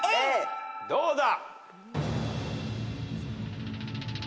どうだ？